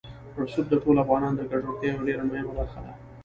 رسوب د ټولو افغانانو د ګټورتیا یوه ډېره مهمه برخه ده.